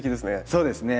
そうですね。